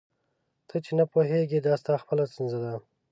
ته چي نه پوهېږې دا ستا خپله ستونزه ده.